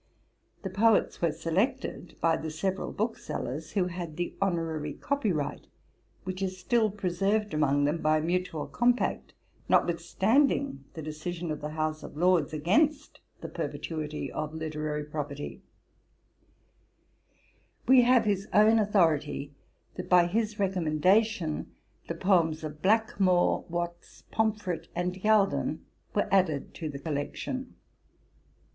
The Poets were selected by the several booksellers who had the honorary copy right, which is still preserved among them by mutual compact, notwithstanding the decision of the House of Lords against the perpetuity of Literary Property. We have his own authority, that by his recommendation the poems of Blackmore, Watts, Pomfret, and Yalden, were added to the collection.